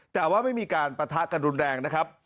แต่ว่าไม่มีการปะทะกันรุนแรงนะครับ